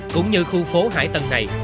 cũng như khu phố hải tân này